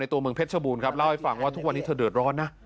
ตัวเมืองเพชรชบูรณครับเล่าให้ฟังว่าทุกวันนี้เธอเดือดร้อนนะ